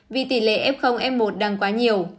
vì tỷ lệ f f một đang quá nhiều